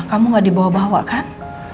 kamu gak dibawa bawa kan